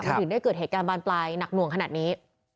ถึงได้เกิดเหตุการณ์บานปลายหนักหน่วงขนาดนี้